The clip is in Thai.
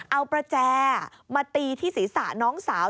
เอาประแจมาตีที่ศีรษะน้องสาว